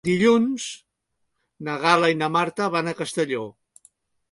Dilluns na Gal·la i na Marta van a Castelló.